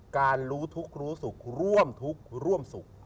การรู้ทุกข์รู้สุขร่วมทุกข์ร่วมสุข